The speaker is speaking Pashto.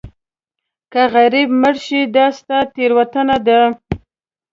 که غریب مړ شې دا ستا تېروتنه ده.